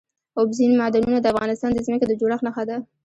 اوبزین معدنونه د افغانستان د ځمکې د جوړښت نښه ده.